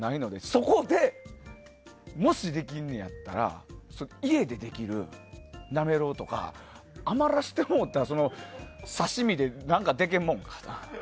そこで、もしできんねやったら家でできる、なめろうとか余らせてもうた刺し身で何かできるもん。